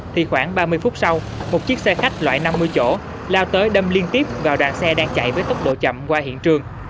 thì khoảng ba mươi phút sau một chiếc xe khách loại năm mươi chỗ lao tới đâm liên tiếp vào đoàn xe đang chạy với tốc độ chậm qua hiện trường